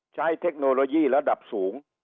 เทคโนโลยีระดับสูง